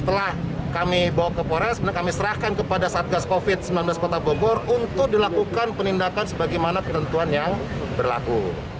setelah kami bawa ke polres sebenarnya kami serahkan kepada satgas covid sembilan belas kota bogor untuk dilakukan penindakan sebagaimana ketentuan yang berlaku